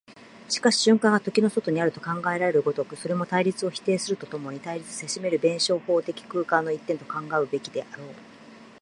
しかし瞬間が時の外にあると考えられる如く、それも対立を否定すると共に対立せしめる弁証法的空間の一点と考うべきであろう。